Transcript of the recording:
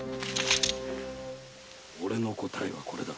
オレの答えはこれだ。